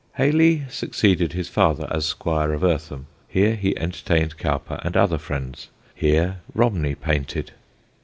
Hayley succeeded his father as squire of Eartham; here he entertained Cowper and other friends; here Romney painted.